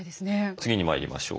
次に参りましょう。